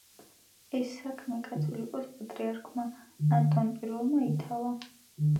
ეს საქმე კათალიკოს– პატრიარქმა, ანტონ პირველმა ითავა.